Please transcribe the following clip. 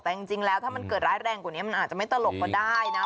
แต่จริงแล้วถ้ามันเกิดร้ายแรงกว่านี้มันอาจจะไม่ตลกก็ได้นะ